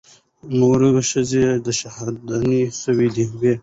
نورې ښځې شهيدانې سوې وې.